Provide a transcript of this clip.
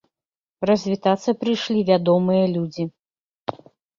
Развітацца прыйшлі вядомыя людзі.